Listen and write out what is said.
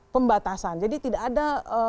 pembatasan jadi tidak ada